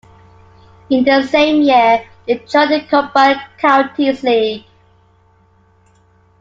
In the same year they joined the Combined Counties League.